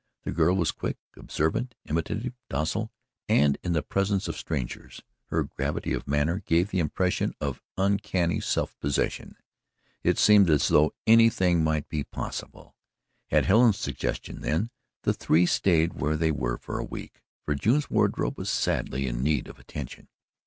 The girl was quick, observant, imitative, docile, and in the presence of strangers, her gravity of manner gave the impression of uncanny self possession. It really seemed as though anything might be possible. At Helen's suggestion, then, the three stayed where they were for a week, for June's wardrobe was sadly in need of attention.